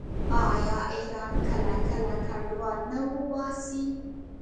آیا ایران کله کله کډوال نه وباسي؟